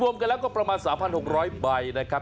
รวมกันแล้วก็ประมาณ๓๖๐๐ใบนะครับ